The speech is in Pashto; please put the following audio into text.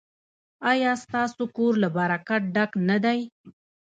ایا ستاسو کور له برکت ډک نه دی؟